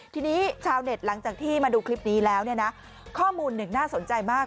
ทีนี้ชาวเน็ตหลังจากที่มาดูคลิปนี้แล้วเนี่ยนะข้อมูลหนึ่งน่าสนใจมาก